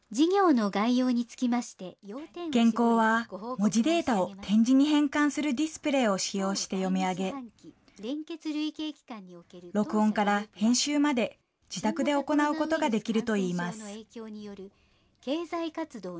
文字データを点字に変換するディスプレーを使用して読み上げ、録音から編集まで、自宅で行うことができるといいます。